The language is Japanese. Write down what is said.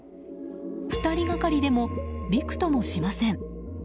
２人がかりでもびくともしません。